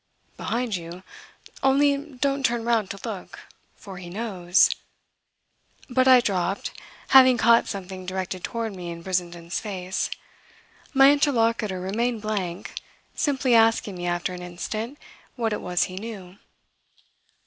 "Behind you; only don't turn round to look, for he knows " But I dropped, having caught something directed toward me in Brissenden's face. My interlocutor remained blank, simply asking me, after an instant, what it was he knew.